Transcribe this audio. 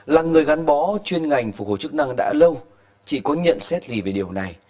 là người gắn bó chuyên ngành phục hồi chức năng đã lâu chị có nhận xét gì về điều này